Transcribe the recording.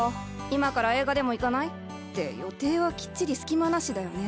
今から映画でも行かない？って予定はきっちり隙間なしだよね。